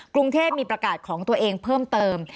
กรุงเทพมีประกาศของตัวเองเพิ่มเติม